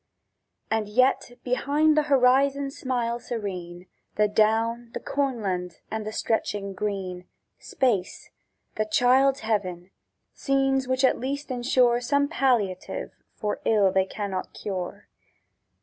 And yet behind the horizon smile serene The down, the cornland, and the stretching green— Space—the child's heaven: scenes which at least ensure Some palliative for ill they cannot cure.